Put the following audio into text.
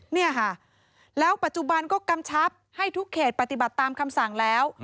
เนี่ยค่ะแล้วปัจจุบันก็กำชับให้ทุกเขตปฏิบัติตามคำสั่งแล้ว